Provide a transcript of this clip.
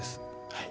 はい。